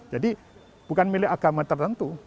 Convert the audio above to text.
jadi bukan milik agama tertentu